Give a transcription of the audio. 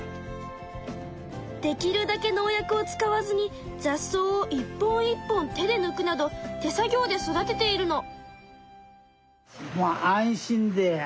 できるだけ農薬を使わずに雑草を一本一本手で抜くなど手作業で育てているの。